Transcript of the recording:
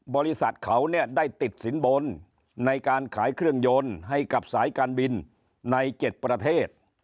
บริษัทเขาเนี่ยได้ติดสินบนในการขายเครื่องยนต์ให้กับสายการบินใน๗ประเทศ